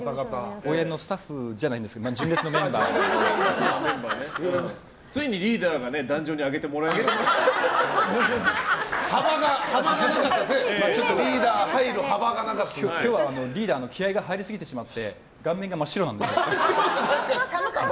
応援のスタッフじゃないんですけどついにリーダーがリーダーが入る今日はリーダーの気合が入りすぎてしまって顔面が真っ白なんですよ。